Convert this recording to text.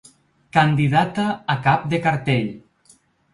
Candidata a cap de cartell.